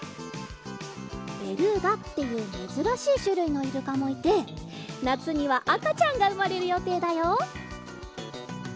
ベルーガっていうめずらしいしゅるいのイルカもいてなつにはあかちゃんがうまれるよていだよ。